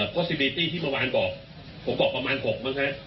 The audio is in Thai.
โทรศัยที่เมื่อวานบอกผมบอกประมาณ๖บ้างครับ